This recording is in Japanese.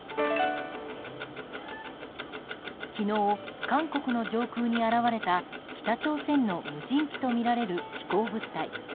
昨日、韓国の上空に現れた北朝鮮の無人機とみられる飛行物体。